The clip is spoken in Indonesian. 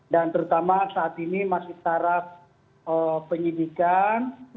dan terutama saat ini masih taraf penyidikan